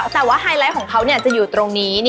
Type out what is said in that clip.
แต่ว่าไฮไลท์ของเขาจะอยู่ตรงนี้